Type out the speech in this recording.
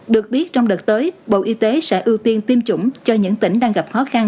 được biết trong đợt tới bộ y tế sẽ ưu tiên tiêm chủng cho những tỉnh đang gặp khó khăn